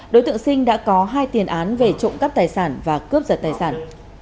đối tượng sinh đã có hai tiền án về trộm cắp tài sản và cướp giật tài sản